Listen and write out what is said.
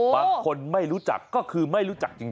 บางคนไม่รู้จักก็คือไม่รู้จักจริง